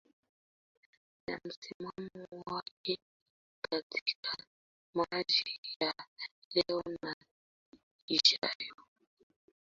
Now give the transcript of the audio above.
Na msimamo wake katika jamii ya leo na ijayo